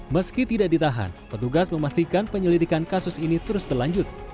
meski tidak ditahan petugas memastikan penyelidikan kasus ini terus berlanjut